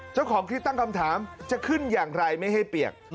เจ้าของคลิปตั้งคำถามจะขึ้นอย่างไรไม่ให้เปียก